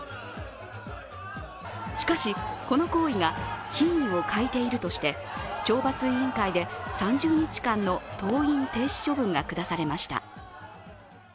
しかし、この行為が品位を欠いているとして、懲罰委員会で３０日間の登院停止処分がくだされました。